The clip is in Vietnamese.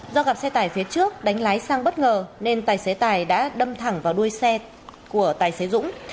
do gặp xe tải phía trước đánh lái sang bất ngờ nên tài xế tài đã đâm thẳng vào đuôi xe của tài xế dũng